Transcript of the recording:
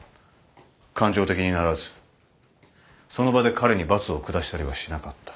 感情的にならずその場で彼に罰を下したりはしなかった。